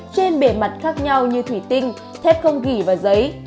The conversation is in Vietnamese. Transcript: trên bề mặt khác nhau như thủy tinh thép không gỉ và dây